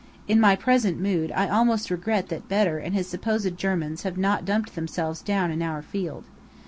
In my present mood I almost regret that Bedr and his supposed Germans have not dumped themselves down in our field.